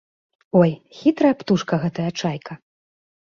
Ой, хітрая птушка гэтая чайка!